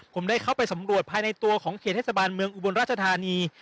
ผมได้เข้าไปสำรวจภายในตัวของเขตเทศบาลเมืองอุบลราชธานี